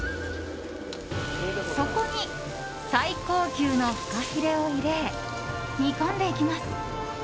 そこに最高級のフカヒレを入れ煮込んでいきます。